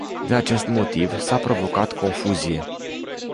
Din acest motiv s-a provocat confuzie.